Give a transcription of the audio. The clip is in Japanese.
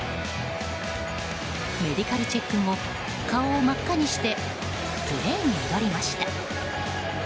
メディカルチェック後顔を真っ赤にしてプレーに戻りました。